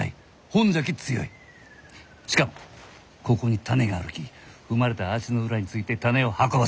しかもここに種があるき踏まれた足の裏について種を運ばせる。